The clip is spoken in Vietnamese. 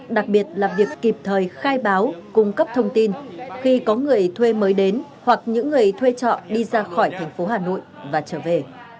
đặc biệt là việc kịp thời khai báo cung cấp thông tin khi có người thuê mới đến hoặc những người thuê trọ đi ra khỏi thành phố hà nội và trở về